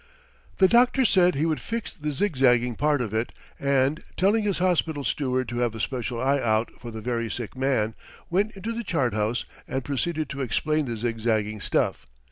The doctor said he would fix the zigzagging part of it, and, telling his hospital steward to have a special eye out for the very sick man, went into the chart house and proceeded to explain the zigzagging stuff.